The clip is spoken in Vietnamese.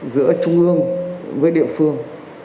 giữa trung ương với địa phương